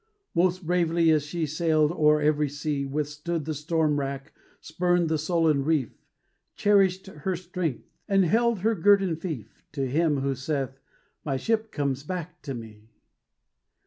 Most bravely has she sailed o'er every sea, Withstood the storm rack, spurned the sullen reef; Cherished her strength; and held her guerdon fief To him who saith, "My ship comes back to me!